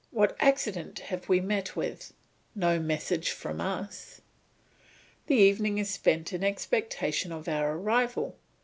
What accident have we met with? No message from us! The evening is spent in expectation of our arrival.